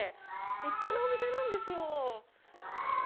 立派なお店なんですよ。